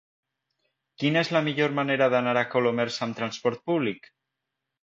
Quina és la millor manera d'anar a Colomers amb trasport públic?